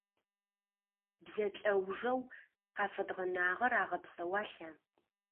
Бзэ лӏэужэу къафэдгъэнагъэр агъэпсэуалъа?